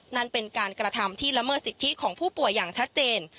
นั่นเป็นการกระทำที่ละเมิดสิทธิของผู้ป่วยอย่างชัดเจน